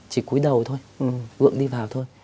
chỉ cuối đầu thôi gượng đi vào thôi